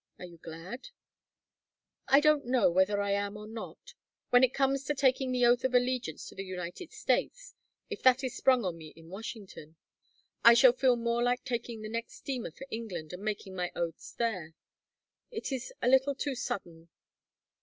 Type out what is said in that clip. Are you glad?" "I don't know whether I am or not. When it comes to taking the oath of allegiance to the United States if that is sprung on me in Washington I shall feel more like taking the next steamer for England and making my oaths there. It is a little too sudden."